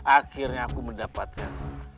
akhirnya aku mendapatkan